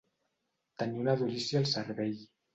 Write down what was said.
Tenir una durícia al cervell.